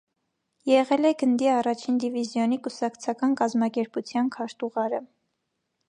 Եղել է գնդի առաջին դիվիզիոնի կուսակցական կազմակերպության քարտուղարը։